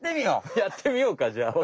やってみようかじゃあ。